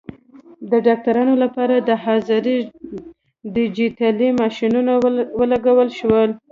د ډاکټرانو لپاره د حاضرۍ ډیجیټلي ماشینونه ولګول شول.